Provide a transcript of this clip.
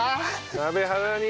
鍋肌に。